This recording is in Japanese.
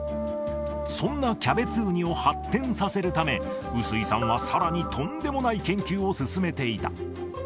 そんなキャベツウニを発展させるため、臼井さんはさらにとんでもない研究を進めていた。